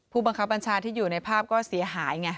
ผู้บังคับบัญชาที่อยู่ในภาพก็เสียหายไง